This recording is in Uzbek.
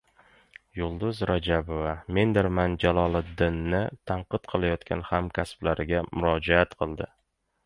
Yulduz Rajabova “Mendirman Jaloliddin”ni tanqid qilayotgan hamkasblariga murojaat qildi